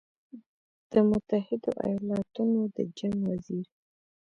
د متحدو ایالتونو د جنګ وزیر